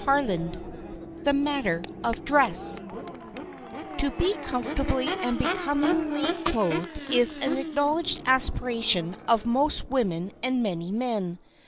CHAPTER XV THE MATTER OF DRESS TO be comfortably and becomingly clothed is an acknowledged aspiration of most women and many men.